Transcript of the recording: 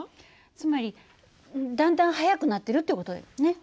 つまりだんだん速くなってるって事よね。